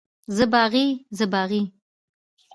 زه باغي، زه باغي.